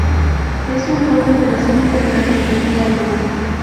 Es un joven presente durante los diálogos.